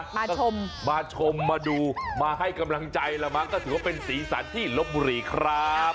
มาชมมาชมมาดูมาให้กำลังใจละมั้งก็ถือว่าเป็นสีสันที่ลบบุรีครับ